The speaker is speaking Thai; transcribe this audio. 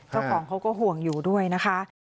เขาก็ห่วงอยู่ด้วยนะคะ